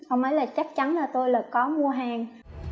ông ấy là chắc chắn là tôi là có mua hàng